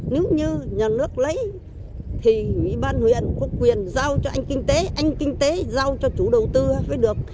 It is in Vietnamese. nếu như nhà nước lấy thì ủy ban huyện có quyền giao cho anh kinh tế anh kinh tế giao cho chủ đầu tư mới được